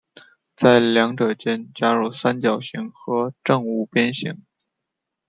在两者间加入三角形和正五边形。